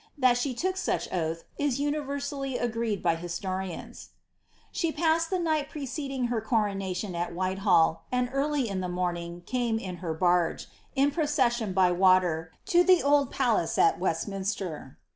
That she took such oath is universally agreed by listonans. She passed the night preceding her coronation at Whitehall, and early a the morning came in her barge, in procession by water, to the old jialace at Westminster.